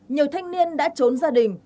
nhiều thanh niên đã trốn gia đình